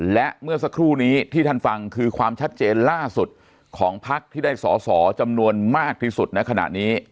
และเมื่อสักครู่นี้ที่ท่านฟังคือความชัดเจนล่าสุดของพักที่ได้สอสอจำนวนมากที่สุดในขณะนี้